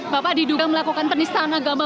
bapak diduga melakukan penistaan agama